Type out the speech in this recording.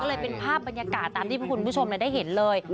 เลยเป็นภาพบรรยากาศตามที่คุณผู้ชมได้เห็นเลย